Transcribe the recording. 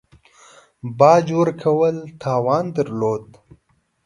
باج ورکولو توان درلود.